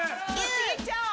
次いっちゃおう